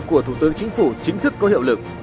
của thủ tướng chính phủ chính thức có hiệu lực